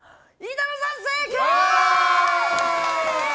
板野さん、正解！